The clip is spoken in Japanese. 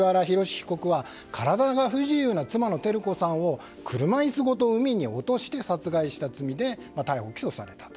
被告は体の不自由な妻の照子さんを車椅子ごと海に落として殺害した罪で逮捕・起訴されたと。